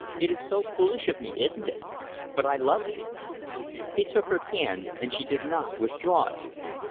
It is foolish of me, isn't it, but I love you." He took her hand, and she did not withdraw it.